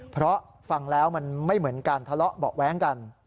เพราะฟังแล้วมันไม่เหมือนการทะเลาะเบาะแว้งกัน